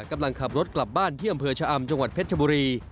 กำลังขับรถกลับบ้านที่อำเภอชะอำจังหวัดเพชรชบุรี